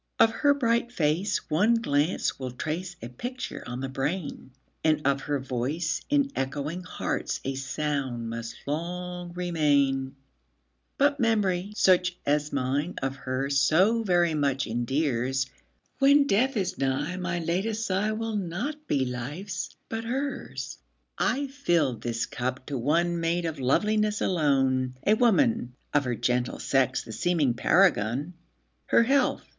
Of her bright face one glance will trace a picture on the brain, And of her voice in echoing hearts a sound must long remain; But memory such as mine of her so very much endears, When death is nigh my latest sigh will not be life's but hers.I filled this cup to one made up of loveliness alone,A woman, of her gentle sex the seeming paragon—Her health!